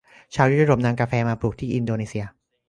ชาวยุโรปนำกาแฟมาปลูกที่อินโดนีเชีย